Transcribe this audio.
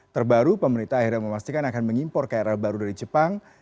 terbaru pemerintah akhirnya memastikan akan mengimpor krl baru dari jepang